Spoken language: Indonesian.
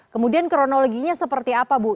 kemudian kronologinya seperti apa bu